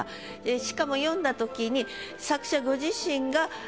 しかも読んだ時に。